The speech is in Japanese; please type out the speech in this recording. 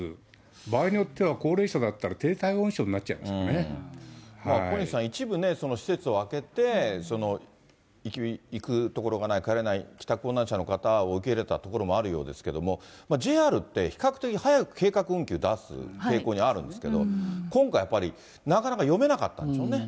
場合によっては高齢者だったら、一部施設を開けて、行く所がない、帰れない、帰宅困難者の方を受け入れたところもあるようですけれども、ＪＲって、比較的早く計画運休出す傾向にあるんですけど、今回やっぱり、なかなか読めなかったんでしょうね。